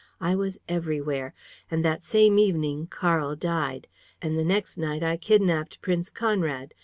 I was everywhere! And that same evening Karl died. And the next night I kidnaped Prince Conrad.